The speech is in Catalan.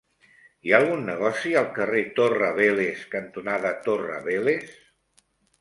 Hi ha algun negoci al carrer Torre Vélez cantonada Torre Vélez?